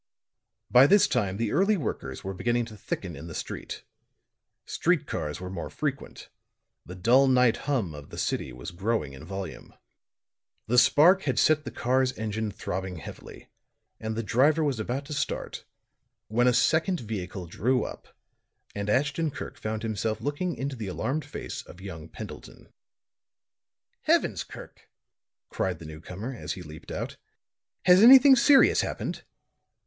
By this time the early workers were beginning to thicken in the street; street cars were more frequent; the dull night hum of the city was growing in volume. The spark had set the car's engine throbbing heavily, and the driver was about to start when a second vehicle drew up and Ashton Kirk found himself looking into the alarmed face of young Pendleton. "Heavens, Kirk!" cried the newcomer, as he leaped out, "has anything serious happened?"